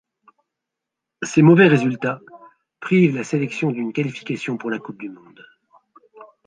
Ces mauvais résultats privent la sélection d'une qualification pour la Coupe du monde.